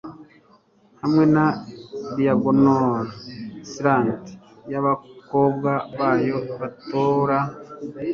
hamwe na diagonal slant yabakobwa bayo batora